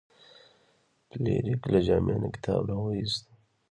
فلیریک له جامې نه کتاب راویوست.